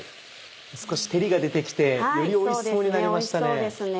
少し照りが出て来てよりおいしそうになりましたね。